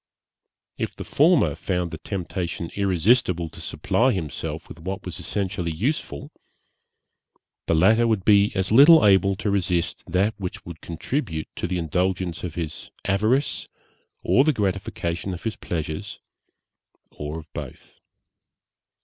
If the former found the temptation irresistible to supply himself with what was essentially useful the latter would be as little able to resist that which would contribute to the indulgence of his avarice or the gratification of his pleasures, or of both.